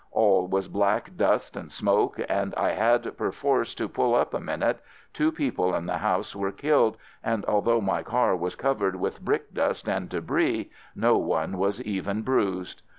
All was black dust and smoke and I had perforce to pull up a minute — two people in the house were killed, and al though my car was covered with brick dust and debris no one was even bruised